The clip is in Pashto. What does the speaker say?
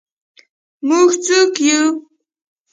موږ څوک یو؟